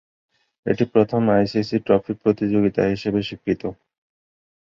এটি প্রথম ICC trophy প্রতিযোগিতা হিসেবে স্বীকৃত।